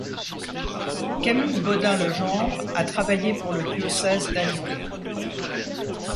Camille Bodin-legendre a travaillé pour le diocèse d'Albi.